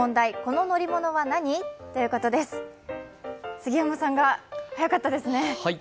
杉山さんが早かったですね。